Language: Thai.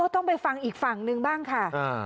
ต้องไปฟังอีกฝั่งนึงบ้างค่ะ